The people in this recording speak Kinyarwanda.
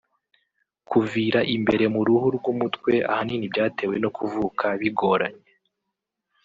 Kuvira imbere mu ruhu rw’umutwe ahanini byatewe no kuvuka bigoranye